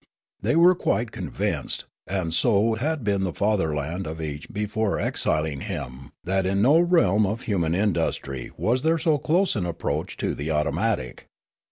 They were quite convinced (and so had been the fatherland of each before exiling him) that in no realm of human industry was there so close an approach to the automatic.